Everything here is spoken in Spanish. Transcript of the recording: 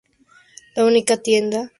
La única tienda del pueblo es una panadería.